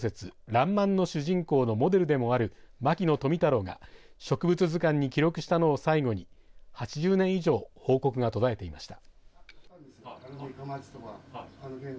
らんまんの主人公のモデルでもある牧野富太郎が植物図鑑に記録したのを最後に８０年以上報告が途絶えていました。